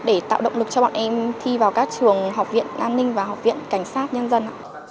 để tạo động lực cho bọn em thi vào các trường học viện an ninh và học viện cảnh sát nhân dân ạ